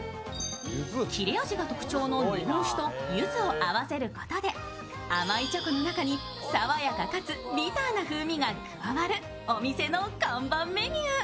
キレ味が特徴の日本酒とゆずを合わせることで、甘いチョコの中に爽やかかつビターな風味が加わるお店の看板メニュー。